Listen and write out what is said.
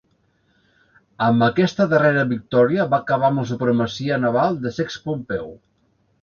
Amb aquesta darrera victòria va acabar amb la supremacia naval de Sext Pompeu.